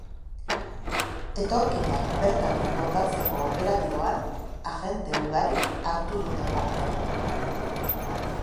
Etorkinak bertatik botatzeko operatiboan, agente ugarik hartu dute parte.